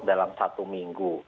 dalam satu minggu